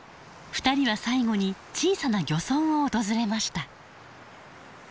２人は最後に小さな漁村を訪れました。